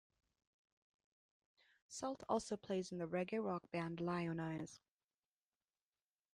Sult also plays in the reggae rock band Lionize.